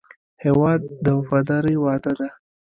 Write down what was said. هېواد د وفادارۍ وعده ده.